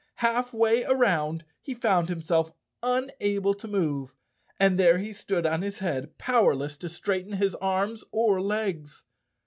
Halfway around he found himself unable to move, and there he stood on his head, powerless to straighten his arms or legs.